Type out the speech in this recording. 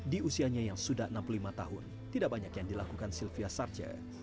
di usianya yang sudah enam puluh lima tahun tidak banyak yang dilakukan sylvia sarce